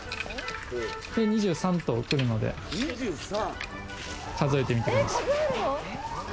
２３頭くるので数えてみてください。